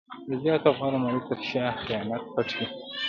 د زیاتې غوړه مالۍ تر شا خیانت پټ وي.